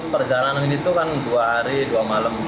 perjalanan itu kan dua hari dua malam